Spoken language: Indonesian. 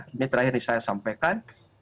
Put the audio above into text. ini terakhir saya sampaikan